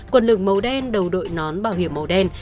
quần lửng màu đen đầu đội nón bảo hiểm màu đen